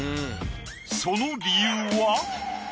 その理由は？